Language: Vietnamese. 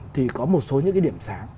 thì có một số những cái điểm sáng